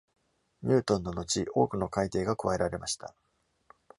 ニュートンの後、多くの改訂が加えられました。